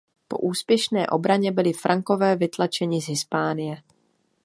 Po úspěšné obraně byli Frankové vytlačeni z Hispánie.